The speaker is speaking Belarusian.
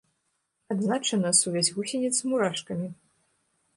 Адзначана сувязь гусеніц з мурашкамі.